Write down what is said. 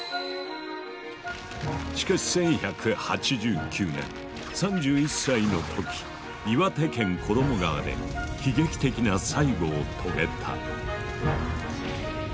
しかし１１８９年３１歳の時岩手県衣川で悲劇的な最期を遂げた。